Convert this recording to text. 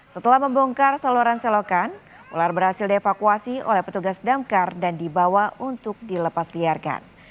setelah membongkar saluran selokan ular berhasil dievakuasi oleh petugas damkar dan dibawa untuk dilepas liarkan